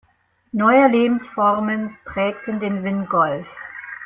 Neue Lebensformen prägten den Wingolf.